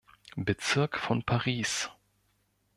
Bezirk von Paris.